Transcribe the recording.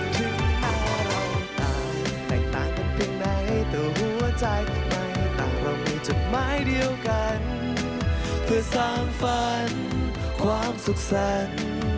ถึงหน้าเราตายแตกต่างกันเพียงไหนแต่หัวใจทำไมต่างเรามีจุดหมายเดียวกันเพื่อสร้างฝันความสุขสรรค์